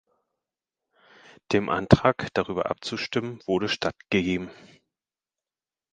Dem Antrag, darüber abzustimmen, wurde stattgegeben.